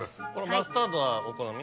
マスタードはお好み？